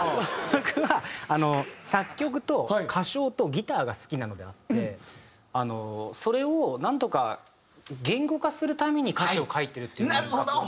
僕は作曲と歌唱とギターが好きなのであってそれをなんとか言語化するために歌詞を書いてるっていう感覚なんですよ。